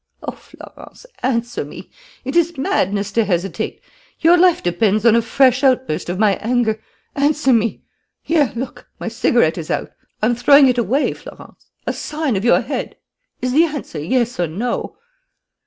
Oh, Florence, answer me! It is madness to hesitate. Your life depends on a fresh outburst of my anger. Answer me! Here, look, my cigarette is out. I'm throwing it away, Florence. A sign of your head: is the answer yes or no?"